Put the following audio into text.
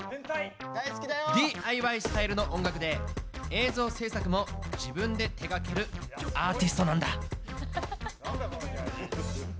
ＤＩＹスタイルの音楽で映像制作も自分で手がけるアーティストなんだ。